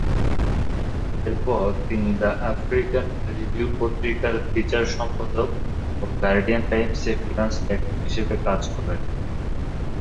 এরপর তিনি the African Review পত্রিকার ফিচার সম্পাদক ও গার্ডিয়ান টাইমসে ফ্রিল্যান্স লেখক হিসেবে কাজ করেন।